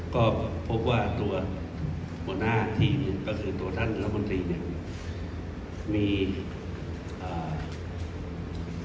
ก็พบว่าตัวมนุษย์ที่ก็คือตัวท่านรัฐมนตรีเนี่ย